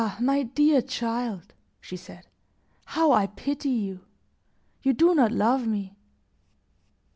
my dear child," she said, "how I pity you! You do not love me."